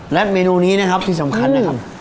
และเมนูนี้นะครับที่สำคัญนะครับ